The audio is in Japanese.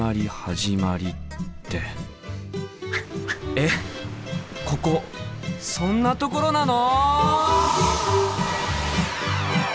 えっここそんなところなの！？